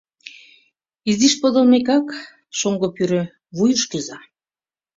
Изиш подылмекак, шоҥго пӱрӧ вуйыш кӱза.